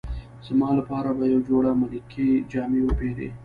زما لپاره به یوه جوړه ملکي جامې وپیرې.